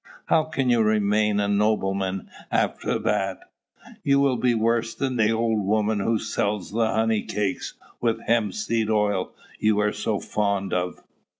How can you remain a nobleman after that? You will be worse than the old woman who sells the honeycakes with hemp seed oil you are so fond of."